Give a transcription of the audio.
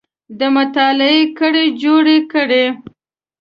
د مطالعې کړۍ جوړې کړئ